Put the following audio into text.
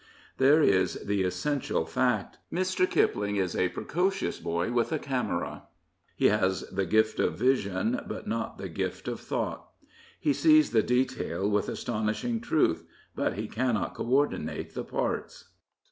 There is the essential fact. Mr. Kipling is a pre cocious boy with a camera. He has the gift of vision, 3«7 Prophets, Priests, and Kings but not the gift of thought. He sees the detail with astonishing truth, but he cannot co ordinate the parts.